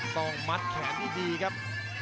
ต้องมัดแขนให้ดีครับ